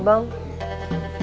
ketika bang edi di departemen agus